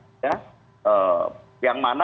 ya sudah diperhentikan juga